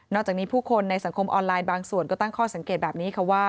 จากนี้ผู้คนในสังคมออนไลน์บางส่วนก็ตั้งข้อสังเกตแบบนี้ค่ะว่า